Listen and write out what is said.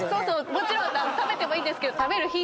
もちろん食べてもいいですけど。